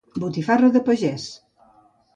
botifarra de pagès